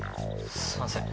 すいません。